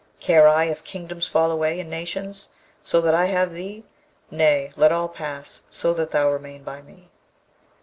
Care I if kingdoms fall away, and nations, so that I have thee? Nay, let all pass, so that thou remain by me.'